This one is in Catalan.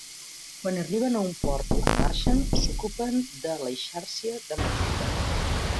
Quan arriben a un port o en marxen, s'ocupen de l'eixàrcia d'amarratge.